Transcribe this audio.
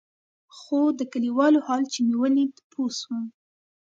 خو د كليوالو حال چې مې ولېد پوه سوم.